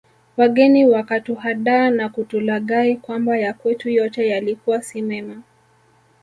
Wageni wakatuhadaa na kutulaghai kwamba ya kwetu yote yalikuwa si mema